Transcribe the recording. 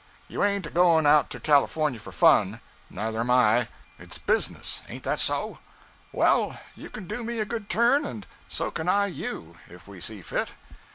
You ain't a going out to Californy for fun, nuther am I it's business, ain't that so? Well, you can do me a good turn, and so can I you, if we see fit.